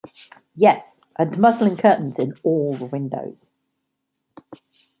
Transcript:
Yes, and muslin curtains in all the windows.